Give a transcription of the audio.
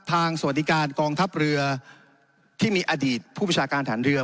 สวัสดีการกองทัพเรือที่มีอดีตผู้ประชาการฐานเรือ